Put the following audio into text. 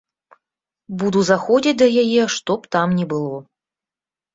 Буду заходзіць да яе, што б там ні было.